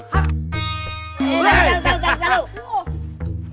jalur jalur jalur